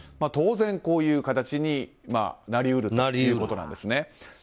当然、こういう形になり得るということなんですね。